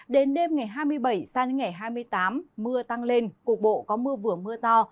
đến đêm ngày hai mươi bảy sang đến ngày hai mươi tám mưa tăng lên cục bộ có mưa vừa mưa to